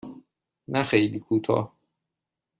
نه خیلی کوتاه.